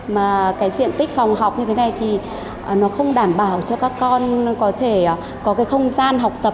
mà cái diện tích phòng học như thế này thì nó không đảm bảo cho các con có thể có cái không gian học tập